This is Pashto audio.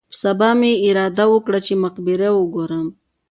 په سبا مې اراده وکړه چې مقبره وګورم.